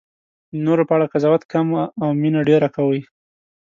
د نورو په اړه قضاوت کم او مینه ډېره کوئ.